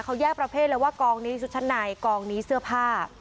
เขาแยกประเภทเลยว่ากองนี้ชุดชั้นในกองนี้เสื้อผ้า